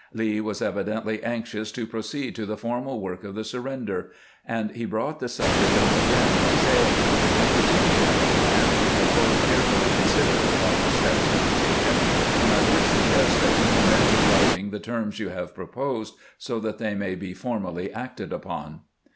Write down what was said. Lee was evidently anxious to proceed to the formal work of the surrender, and he brought the sub ject up again by saying :" I presume. General Grant, we have both carefully considered the proper steps to be taken, and I would suggest that you commit to writing the terms you have proposed, so that they may be formally acted upon."